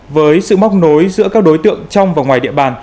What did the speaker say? với sự móc nối giữa các đối tượng trong và ngoài địa bàn